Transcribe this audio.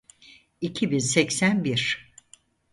iki bin seksen bir